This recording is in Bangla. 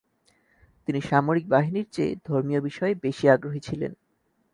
তিনি সামরিক বাহিনীর চেয়ে ধর্মীয় বিষয়ে বেশি আগ্রহী ছিলেন।